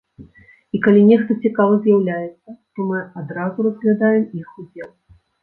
І, калі нехта цікавы з'яўляецца, то мы адразу разглядаем іх удзел.